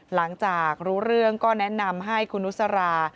หลังจากรู้เรื่องก็แนะนำให้คุณนุษรา